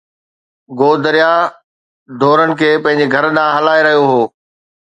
گودريا ڍورن کي پنھنجي گھر ڏانھن ھلائي رھيو ھو.